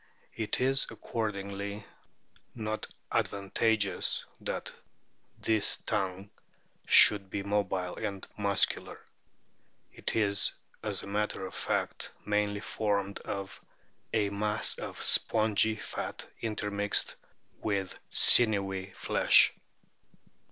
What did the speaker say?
It is accordingly not advantageous that this tongue should be mobile and muscular ; it is, as a matter of fact, mainly formed of " a mass of spongy fat intermixed with sinewy flesh."